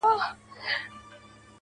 خندا چي په ظاهره ده ژړا ده په وجود کي~